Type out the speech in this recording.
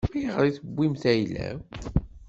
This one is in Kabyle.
Ayɣer i tewwim ayla-w?